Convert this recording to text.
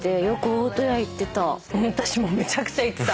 私もめちゃくちゃ行ってた。